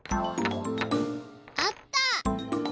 あった。